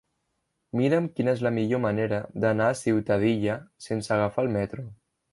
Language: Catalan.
Mira'm quina és la millor manera d'anar a Ciutadilla sense agafar el metro.